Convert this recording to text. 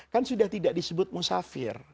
kan sudah tidak disebut musafir